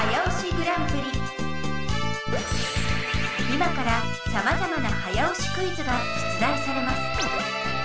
今からさまざまな早押しクイズが出題されます。